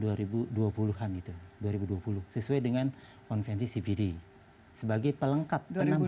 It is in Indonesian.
pada tahun dua ribu dua puluh an itu dua ribu dua puluh sesuai dengan konvensi cbd sebagai pelengkap